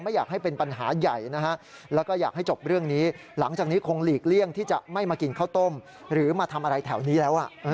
มันเป็นเหตุการณ์ที่ต้องจดจำเลยแหละ